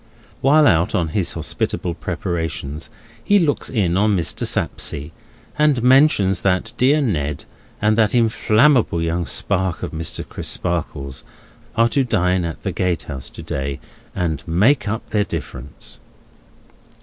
While out on his hospitable preparations, he looks in on Mr. Sapsea; and mentions that dear Ned, and that inflammable young spark of Mr. Crisparkle's, are to dine at the gatehouse to day, and make up their difference.